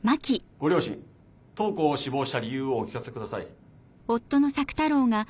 ご両親当校を志望した理由をお聞かせください。